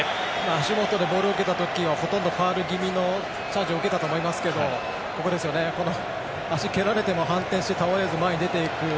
足元でボールを受けた時はほとんどファウル気味のチャージを受けたと思いますがここで、足を蹴られても反転して倒れず、前に出ていく。